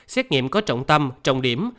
xét nghiệm có trọng tâm trọng điểm